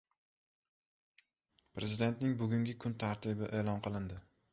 Prezidentning bugungi kun tartibi e’lon qilindi